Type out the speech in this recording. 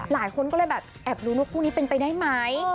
หลายคนก็แบบแบบแอบรู้นะว่ากุ๊กนี้เป็นไปได้ไหม